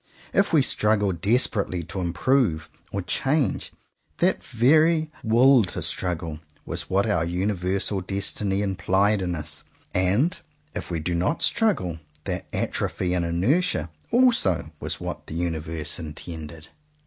If we struggle desperately to "improve" or change; that very "will to struggle" was what the universal destiny implied in us; and if we do not struggle, that atrophy and inertia also was what the universe intended.